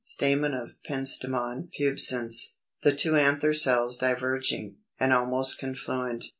Stamen of Pentstemon pubescens; the two anther cells diverging, and almost confluent.